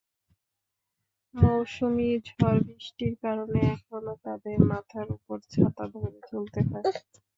মৌসুমি ঝড়-বৃষ্টির কারণে তখনো তাঁদের মাথার ওপর ছাতা ধরে চলতে হয়।